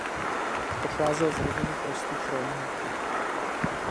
Pocházel z rodiny prostých rolníků.